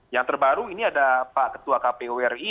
yang terbaru ini ada pak ketua kpwri